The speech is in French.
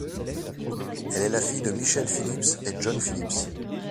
Elle est la fille de Michelle Phillips et John Phillips.